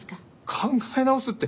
考え直すって。